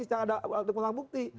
tidak ada alat pengulangan bukti